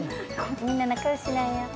みんな仲よしなんや。